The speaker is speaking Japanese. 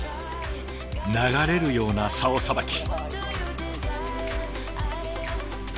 流れるようなサオさばき。